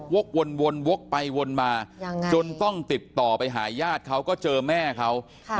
วนวกไปวนมาจนต้องติดต่อไปหาญาติเขาก็เจอแม่เขา